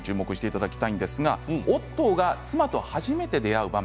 オットーが妻と初めて出会う場面